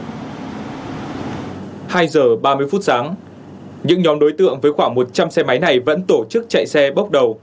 hai giờ ba mươi phút sáng những nhóm đối tượng với khoảng một trăm linh xe máy này vẫn tổ chức chạy xe bốc đầu